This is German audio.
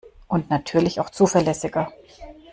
Und natürlich auch zuverlässiger.